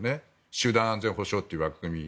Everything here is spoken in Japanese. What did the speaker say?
集団安全保障という枠組み。